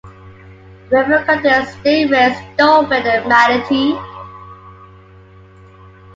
The river contains stingrays, dolphin and manatee.